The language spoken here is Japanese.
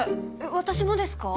私もですか？